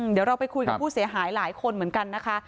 เดี๋ยวเราไปคุยกับผู้เสียหายหลายคนเหมือนกันนะคะ